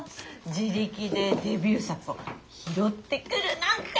自力でデビュー作を拾ってくるなんて。